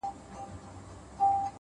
ددې ښكلا;